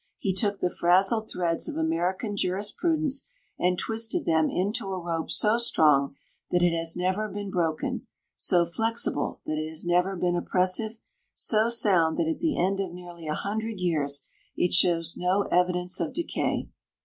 He took the frazelled threads of American jurisprudence and twisted them into a rope .so strong that it has never been broken, so flexible that it has never been oppressive, so sound that at the end of nearly a hundred years it shows no evidence of deca\'."